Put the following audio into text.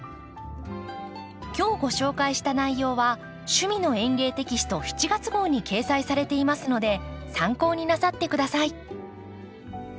今日ご紹介した内容は「趣味の園芸」テキスト７月号に掲載されていますので参考になさって下さい。